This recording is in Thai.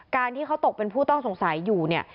การที่เขาตกเป็นผู้ต้องสงสัยอยู่เนี่ย